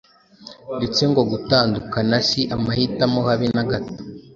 ndetse ngo gutandukana si amahitamo habe na gato.